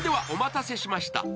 お待たせしました。